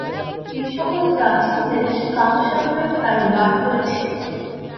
এই সকল প্রাচীন দেশ কালসাগরে প্রায় লয় হয়েছিল।